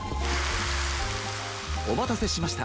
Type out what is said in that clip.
おまたせしました。